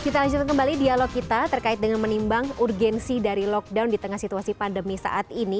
kita lanjutkan kembali dialog kita terkait dengan menimbang urgensi dari lockdown di tengah situasi pandemi saat ini